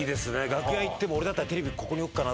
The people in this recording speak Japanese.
楽屋行っても俺だったらテレビここに置くかな